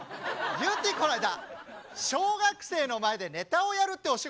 ゆってぃこないだ小学生の前でネタをやるってお仕事があったわけ。